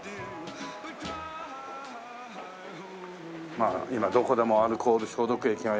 まあ今どこでもアルコール消毒液がある。